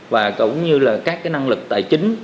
và cũng như là các năng lực tài chính